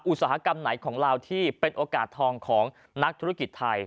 อุตสาหกรรมไหนของลาวที่เป็นโอกาสทองของนักธุรกิจไทย